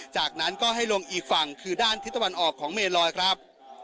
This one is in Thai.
จากนั้นก็ให้ลงอีกฝั่งคือด้านทิศตะวันออกของเมลอยครับ